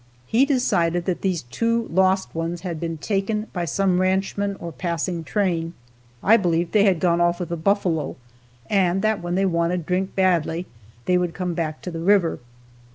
He decided that these two lost ones had been taken by some ranchman or passing train. I believed they had gone off with the buffalo and that when they wanted drink badly they would come back to the river.